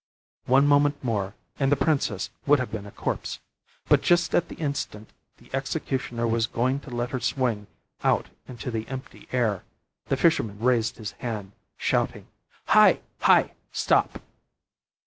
One moment more, and the princess would have been a corpse! But just at the instant the executioner was going to let her swing out into the empty air, the fisherman raised his hand, shouting: "Hi! hi! stop!"